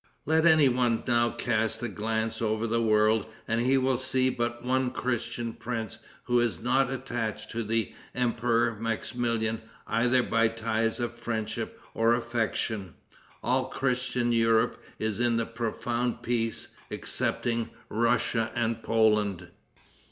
Let any one now cast a glance over the world and he will see but one Christian prince who is not attached to the Emperor Maximilian either by the ties of friendship or affection. All Christian Europe is in profound peace excepting Russia and Poland.